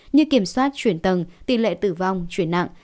như kiểm soát chuyển tầng tỷ lệ tử vong chuyển nặng